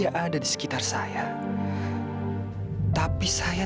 kalau tidak akuka tahu sudah selamat darinamu